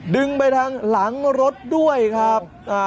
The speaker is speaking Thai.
ดึงไปทางหลังรถด้วยครับ